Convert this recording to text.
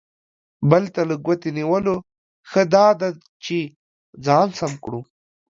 بل ته له ګوتې نیولو، ښه دا ده چې ځان سم کړو.